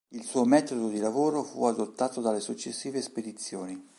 Il suo metodo di lavoro fu adottato dalle successive spedizioni.